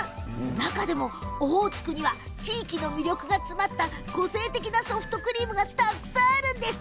中でもオホーツクには地域の魅力が詰まった個性的なソフトクリームがたくさんあるんです。